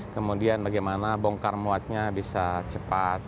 kemudian bagaimana bongkar muatnya bisa cepat